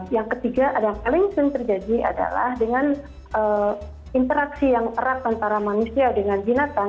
yang ketiga yang paling sering terjadi adalah dengan interaksi yang erat antara manusia dengan binatang